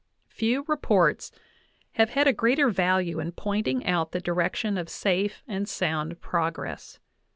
Few reports have had a greater value in "pointing out the direc tion of safe and sound progress.